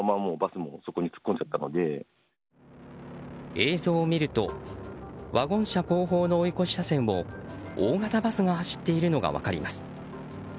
映像を見るとワゴン車後方の追い越し車線を大型バスが走っているのが分かります。